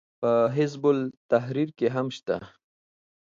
په حزب التحریر کې هم شته.